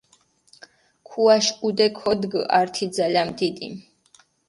ქუაშ ჸუდე ქოდგჷ ართი ძალამ დიდი.